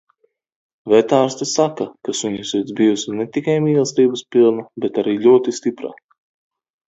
Vetārste saka, ka suņa sirds bijusi ne tikai mīlestības pilna, bet arī ļoti stipra.